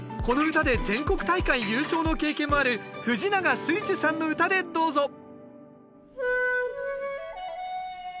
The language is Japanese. この唄で全国大会優勝の経験もある藤永翠珠さんの唄でどうぞ